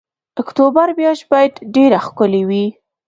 اکتوبر میاشت باید ډېره ښکلې وي.